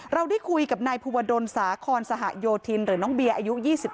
เราได้คุยกับนายภูวดลสาคอนสหโยธินหรือน้องเบียร์อายุ๒๙